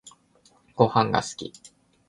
ごはんが好き